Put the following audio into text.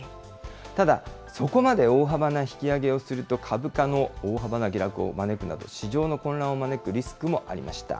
ただ、そこまで大幅な引き上げをすると、株価の大幅な下落を招くなど、市場の混乱を招くリスクもありました。